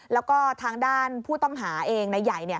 แล้วก็ทางด้านผู้ต้องหาเองนายใหญ่